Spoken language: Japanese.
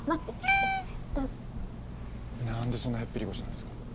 何でそんなへっぴり腰なんですか？